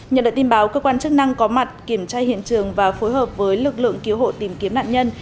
nhận được tin báo cơ quan chức năng có mặt kiểm tra hiện trường và phối hợp với lực lượng cứu hộ tìm kiếm nạn nhân